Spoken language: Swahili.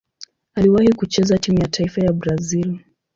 Aliwahi kucheza timu ya taifa ya Brazil.